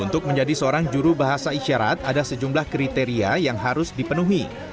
untuk menjadi seorang juru bahasa isyarat ada sejumlah kriteria yang harus dipenuhi